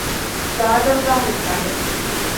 ދާދަރުގައި ހުރި ތަނެއް